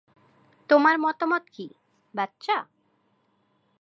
তোমার মতামত কী, বাচ্চা?